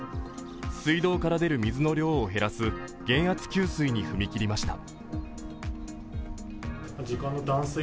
水道から出る水の量を減らす減圧給水に踏み切りました。